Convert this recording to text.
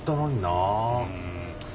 うん。